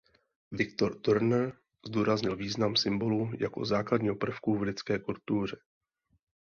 Victor Turner zdůraznil význam symbolu jako základního prvku v lidské kultuře.